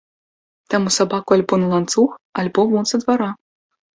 Таму сабаку альбо на ланцуг, альбо вон са двара.